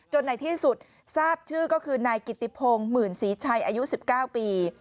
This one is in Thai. ในที่สุดทราบชื่อก็คือนายกิติพงศ์หมื่นศรีชัยอายุ๑๙ปี